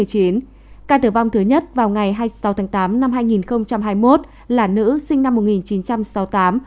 ca tử vong thứ nhất vào ngày hai mươi sáu tháng tám năm hai nghìn hai mươi một là nữ sinh năm một nghìn chín trăm sáu mươi tám